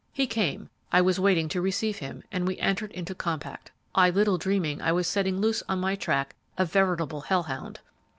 He came; I was waiting to receive him, and we entered into compact, I little dreaming I was setting loose on my track a veritable hell hound!